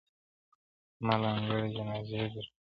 زما له انګړه جنازې در پاڅي،